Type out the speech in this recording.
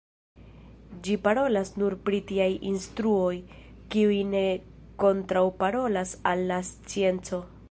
Ĝi parolas nur pri tiaj instruoj, kiuj ne kontraŭparolas al la scienco.